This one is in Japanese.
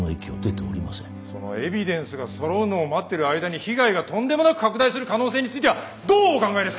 そのエビデンスがそろうのを待ってる間に被害がとんでもなく拡大する可能性についてはどうお考えですか？